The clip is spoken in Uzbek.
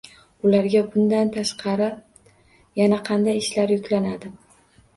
Ularga bundan tashqari yana qanday ishlar yuklanadi?